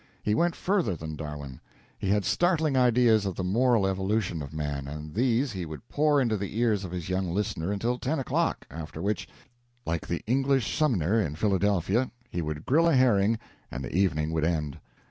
He went further than Darwin. He had startling ideas of the moral evolution of man, and these he would pour into the ears of his young listener until ten o'clock, after which, like the English Sumner in Philadelphia, he would grill a herring, and the evening would end.